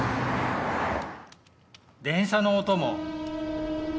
電車の音も。